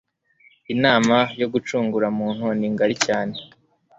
Inama yo gucungura muntu ni ngari cyane